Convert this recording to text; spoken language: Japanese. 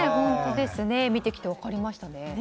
見てきて分かりましたね。